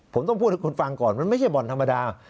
ผมต้องพูดให้คุณฟังก่อนมันไม่ใช่บ่อนธรรมดา